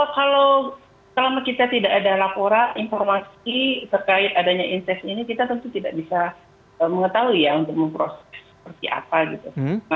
kalau selama kita tidak ada laporan informasi terkait adanya inseks ini kita tentu tidak bisa mengetahui ya untuk memproses seperti apa gitu